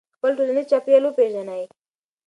خپل ټولنیز چاپېریال وپېژنئ.